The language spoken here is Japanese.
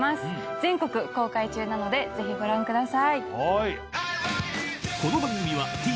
全国公開中なのでぜひご覧ください。